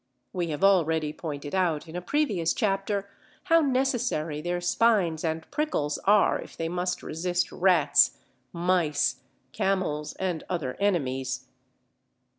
We have already pointed out in a previous chapter how necessary their spines and prickles are if they must resist rats, mice, camels, and other enemies.